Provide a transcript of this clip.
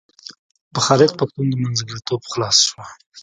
په خالد پښتون منځګړیتوب خلاصه شوه.